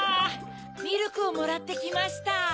ミルクをもらってきました。